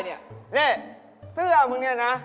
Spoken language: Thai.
นี่เสื้อนายนี่นะ